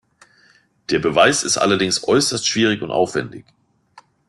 Der Beweis ist allerdings äußerst schwierig und aufwändig.